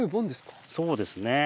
そうですね。